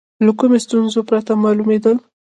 له کومې ستونزې پرته معلومېدل.